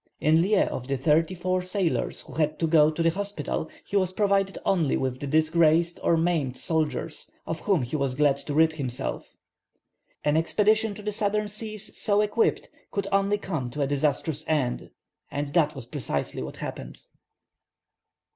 In lieu of the thirty four sailors who had to go to the hospital, he was provided only with disgraced or maimed soldiers, of whom he was glad to rid himself. An expedition to the southern seas, so equipped, could only come to a disastrous end; and that was precisely what happened.